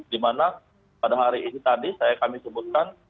di mana pada hari ini tadi saya kami sebutkan